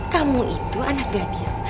kamu itu anak gadis